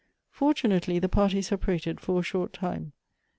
Fortunately, the party separated for a short time.